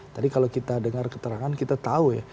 tadi kalau kita dengar keterangan kita tahu ya